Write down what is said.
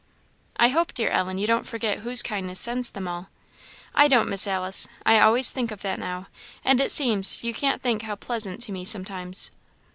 "I hope, dear Ellen, you don't forget whose kindness sends them all." "I don't, Miss Alice; I always think of that now; and it seems, you can't think how pleasant, to me sometimes."